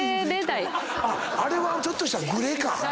あれはちょっとしたグレか。